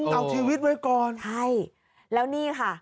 เอาชีวิตไว้ก่อนใช่แล้วนี่ค่ะ